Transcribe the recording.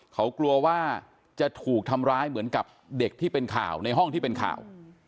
เขากลัวว่าจะถูกทำร้ายเหมือนกับเด็กที่เป็นข่าวในห้องที่เป็นข่าว